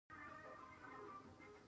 دوی په بهرنیو هیوادونو کې ځمکې اخلي.